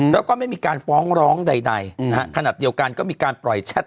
แล้วก็ไม่มีการฟ้องร้องใดนะฮะขนาดเดียวกันก็มีการปล่อยแชท